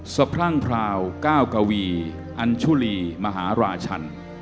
ศพรั่งพราวเก้ากวีอัญชุลีมหาวราชรรพ์